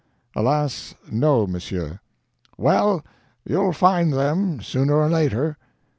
"Alas, no, monsieur." "Well, you'll find them, sooner or later."